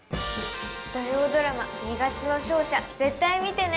土曜ドラマ『二月の勝者』絶対見てね！